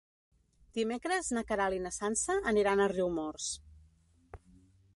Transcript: Dimecres na Queralt i na Sança aniran a Riumors.